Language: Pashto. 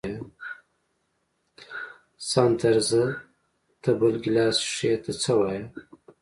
ساندرزه ته بل ګیلاس څښې، ته څه وایې؟